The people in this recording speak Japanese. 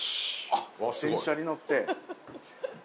あっ電車に乗って。